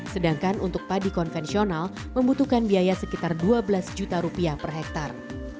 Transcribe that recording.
sedangkan untuk padi konvensional membutuhkan biaya sekitar dua belas juta rupiah per hektare